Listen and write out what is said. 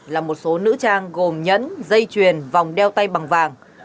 là một số nữ trang gồm nhẫn dây chuyền vòng đeo tay bằng vàng